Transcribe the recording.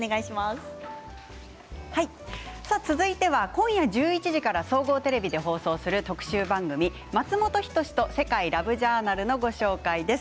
今夜１１時から総合テレビで放送する特集番組「松本人志と世界ＬＯＶＥジャーナル」のご紹介です。